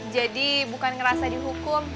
jadi bukan ngerasa dihukum